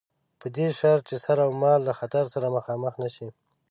په دې شرط چې سر اومال له خطر سره مخامخ نه شي.